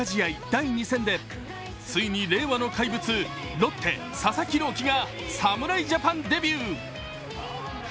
第２戦でついに令和の怪物、ロッテ・佐々木朗希が侍ジャパンデビュー。